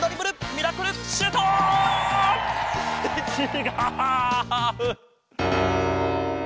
ミラクルシュート！ってちがう！